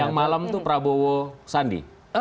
yang malam itu prabowo sandi